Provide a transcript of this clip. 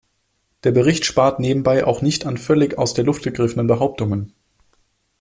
Der Bericht spart nebenbei auch nicht an völlig aus der Luft gegriffenen Behauptungen.